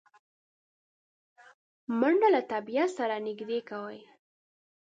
منډه له طبیعت سره نږدې کوي